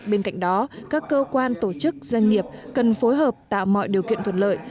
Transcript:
bên cạnh đó các cơ quan tổ chức doanh nghiệp cần phối hợp tạo mọi điều kiện thuận lợi